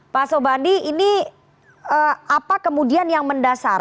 pak sobandi ini apa kemudian yang mendasar